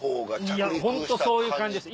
いやホントそういう感じです